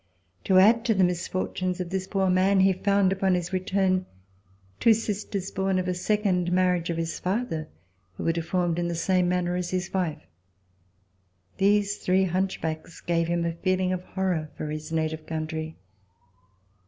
To add to the misfortunes of this poor man, he found upon his return two sisters, born of a second marriage of his father, who were deformed in the same manner as his wife. These three hunchbacks gave him a feeHng of horror for his native country.